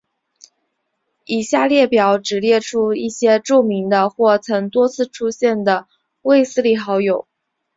以下列表只列出一些著名的或曾多次出现的卫斯理好友。